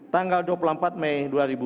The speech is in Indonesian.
tanggal dua puluh empat mei dua ribu dua puluh